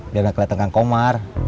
biar gak keliatan kang komar